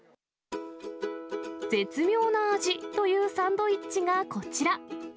絶妙な味というサンドイッチがこちら。